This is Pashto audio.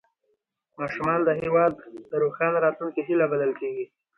ماشومان د هېواد د روښانه راتلونکي هیله بلل کېږي